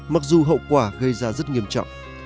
mặc dù hậu quả gây ra rất nghiêm trọng